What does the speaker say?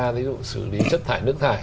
thí dụ xử lý chất thải nước thải